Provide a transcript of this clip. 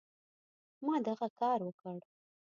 ما دغه کار وکړ.